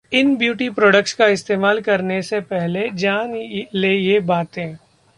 इन beauty products का इस्तेमाल करने से पहले जान लें ये बातें